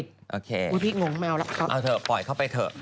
โอเคเอาเถอะปล่อยเข้าไปเถอะพูดพี่งงไม่เอาแล้ว